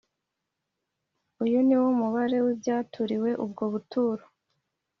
Uyu ni wo mubare w ibyaturiwe ubwo buturo